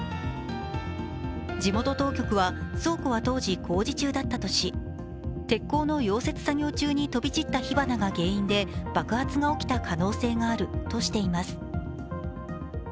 地元当局は倉庫は当時、工事中だったとし鉄鋼の溶接作業中に飛び散った火花が原因で爆発が起きた可能性があるとしています。